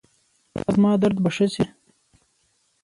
ایا زما درد به ښه شي؟